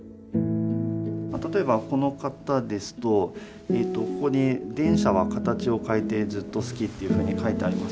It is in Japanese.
例えばこの方ですとここに「電車は形をかえてずっとすき」っていうふうに書いてあります。